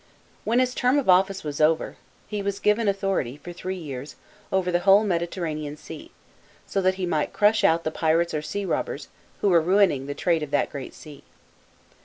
When his term of office was over he wa6 giver} authority, for three years, over the whole Mediter ranean Sea, so that he might crush out the pirates or sea robbers, who were ruining the trade of that great sea.